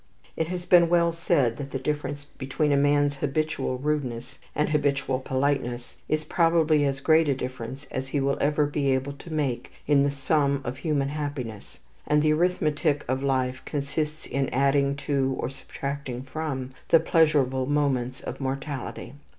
It has been well said that the difference between a man's habitual rudeness and habitual politeness is probably as great a difference as he will ever be able to make in the sum of human happiness; and the arithmetic of life consists in adding to, or subtracting from, the pleasurable moments of mortality.